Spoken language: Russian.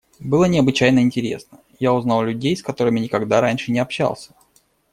Было необычайно интересно: я узнал людей, с которыми никогда раньше общался.